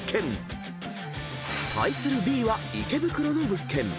［対するＢは池袋の物件］